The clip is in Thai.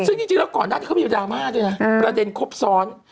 ซึ่งจริงแล้วก่อนหน้านี้เขามีดราม่าด้วยนะประเด็นครบซ้อน